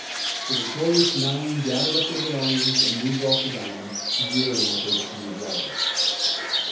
The victorious nine gathered up their belongings and moved off the diamond, jeering at their defeated rivals.